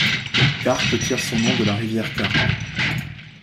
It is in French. Carp tire son nom de la rivière Carp.